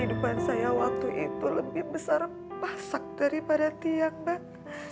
kehidupan saya waktu itu lebih besar pasak daripada tiang bak